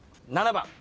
７番。